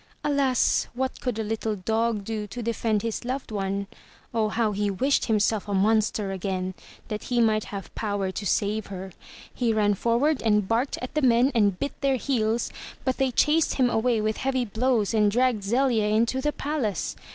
Alas! what could a little dog do to defend his loved one. Oh how he wished himself a monster again that he might have power to save her. He ran forward and barked at the men and bit their heels, but they chased him away with heavy blows and dragged Zelia into the palace.